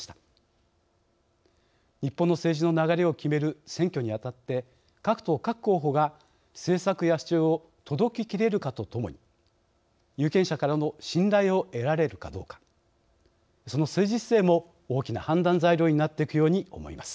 日本の政治の流れを決める選挙にあたって各党・各候補が政策や主張を届けきれるかとともに有権者からの信頼を得られるかどうかその政治姿勢も大きな判断材料になっていくように思います。